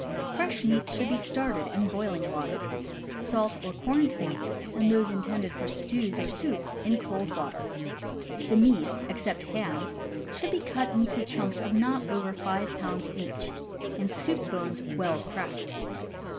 Fresh meats should be started in boiling . water; salt or corned meats, and those intended for stews or soups in cold water. The meat (except hams) should be cut into chunks of not over five pounds each, and soup bones well cracked.